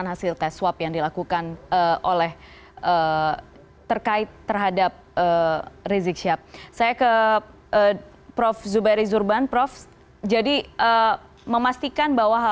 hasilnya kepada masyarakat luas